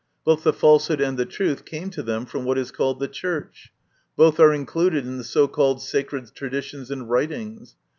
Both the falsehood and the truth came to them from what is called the Church ; both are included in the so called sacred traditions and writings.